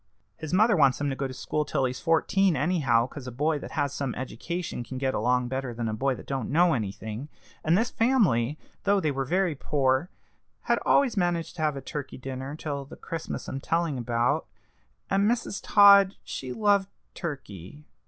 His mother wants him to go to school till he's fourteen anyhow, 'cause a boy that has some education can get along better than a boy that don't know anything. And this family, though they were very poor, had always managed to have a turkey dinner till the Christmas I'm telling about, and Mrs. Todd she loved turkey."